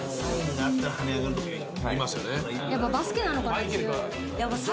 やっぱバスケなのかな強いの。